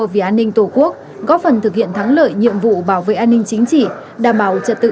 vì an ninh tổ quốc góp phần thực hiện thắng lợi nhiệm vụ bảo vệ an ninh chính trị đảm bảo trật tự